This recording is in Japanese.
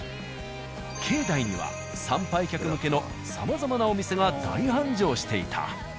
境内には参拝客向けのさまざまなお店が大繁盛していた。